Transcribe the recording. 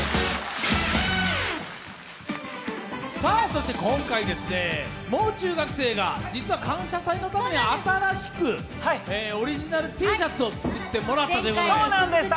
そして今回はもう中学生が実は「感謝祭」のために新しくオリジナルＴシャツを作ってもらったということで。